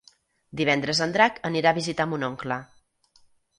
Divendres en Drac anirà a visitar mon oncle.